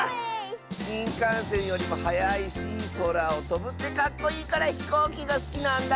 しんかんせんよりもはやいしそらをとぶってかっこいいからひこうきがすきなんだ。